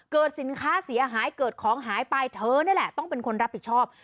สินค้าเสียหายเกิดของหายไปเธอนี่แหละต้องเป็นคนรับผิดชอบ